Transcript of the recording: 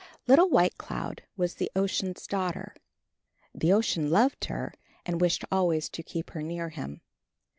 Little White Cloud was the Ocean's daughter. The Ocean loved her, and wished always to keep her near him.